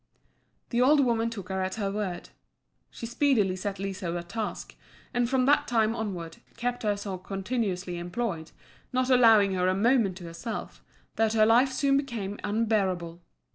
The old woman took her at her word. She speedily set Liso a task, and from that time onward, kept her so continuously employed, not allowing her a moment to herself, that her life soon became unbearable.